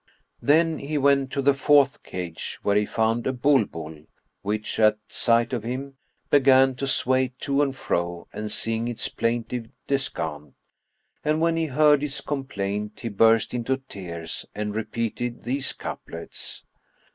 Then he went to the fourth cage, where he found a Bulbul[FN#62] which, at sight of him, began to sway to and fro and sing its plaintive descant; and when he heard its complaint, he burst into tears and repeated these couplets.